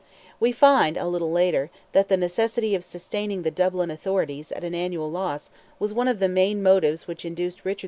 We find a little later, that the necessity of sustaining the Dublin authorities at an annual loss was one of the main motives which induced Richard II.